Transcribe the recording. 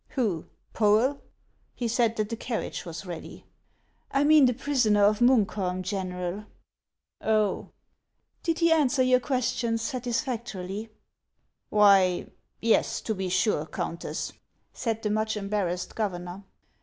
" Who, — Poel ? He said that the carriage was ready/' " I mean the prisoner of Munkholm, General." " Oh !" HANS OF ICELAND. 299 " Did he answer your questions satisfactorily ?"" Why — Yes, to be sure, Countess," said the much embarrassed governor.